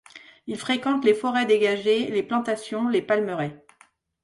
Il fréquente les forêts dégagées, les plantations et les palmeraies.